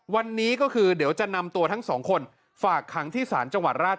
วันนี้ก็คือเดี๋ยวจะนำตัวทั้งสองคนฝากขังที่ศาลจังหวัดราช